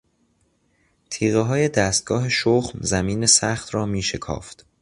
تیغههای دستگاه شخم زمین سخت را میشکافت.